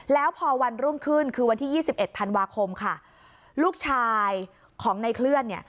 แล้วพอวันรุ่งขึ้นคือวันที่ยี่สิบเอ็ดธันวาคมค่ะลูกชายของในเคลื่อนเนี่ย